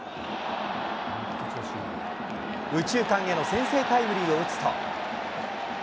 右中間への先制タイムリーを打つと。